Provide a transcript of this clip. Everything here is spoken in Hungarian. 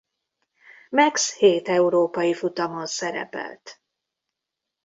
Max hét európai futamon szerepelt.